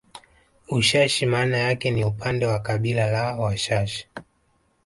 Ushashi maana yake ni upande wa kabila la Washashi